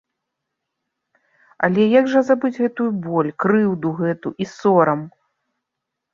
Але як жа збыць гэтую боль, крыўду гэту і сорам?